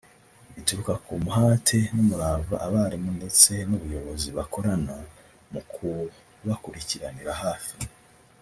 bituruka ku muhate n’umurava abarimu ndetse n’ubuyobozi bakorana mu kubakurikiranira hafi